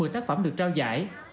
một mươi tác phẩm được trao giải